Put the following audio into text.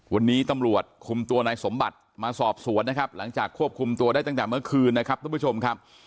วันนี้ตำรวจคุมตัวนายสมบัติมาสอบสวนนะครับหลังจากควบคุมตัวได้ตั้งแต่เมื่อคืนนะครับทุกผู้ชมครับ